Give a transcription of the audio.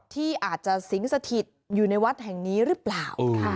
ที่อาจจะสิงสถิตอยู่ในวัดแห่งนี้หรือเปล่า